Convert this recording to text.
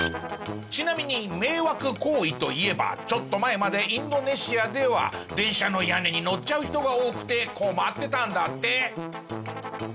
ちなみに迷惑行為といえばちょっと前までインドネシアでは電車の屋根に乗っちゃう人が多くて困ってたんだって。